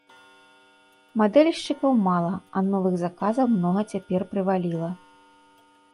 Мадэльшчыкаў мала, а новых заказаў многа цяпер прываліла.